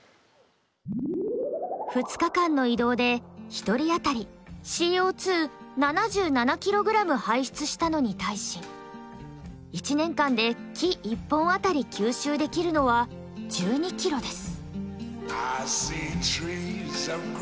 ２日間の移動で１人あたりＣＯ７７ｋｇ排出したのに対し１年間で木１本あたり吸収できるのは１２ｋｇです。